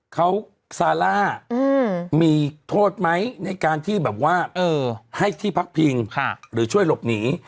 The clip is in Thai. เขาซาร่ามีโทษไหมในการที่แบบว่าให้ที่พักพิงหรือช่วยหลบหนี